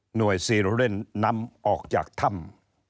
ซีโรเล่นนำออกจากถ้ำ